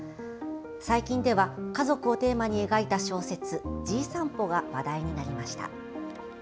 最近では家族をテーマに描いた小説「じい散歩」が話題になりました。